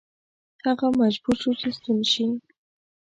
هغه مجبور شو چې ستون شي.